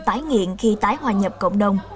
tài nghiệm khi tái hòa nhập cộng đồng